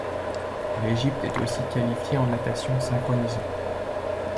L'Égypte est aussi qualifiée en natation synchronisée.